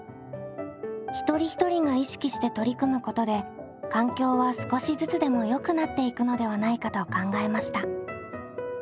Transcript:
一人一人が意識して取り組むことで環境は少しずつでもよくなっていくのではないかと考えました。